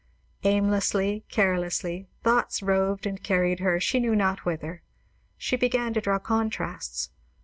Aimlessly, carelessly, thoughts roved and carried her she knew not whither. She began to draw contrasts.